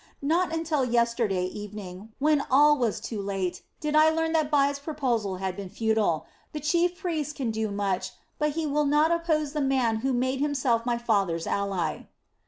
Not until yesterday evening, when all was too late, did I learn that Bai's proposal had been futile. The chief priest can do much, but he will not oppose the man who made himself my father's ally."